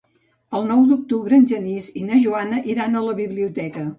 El nou d'octubre en Genís i na Joana iran a la biblioteca.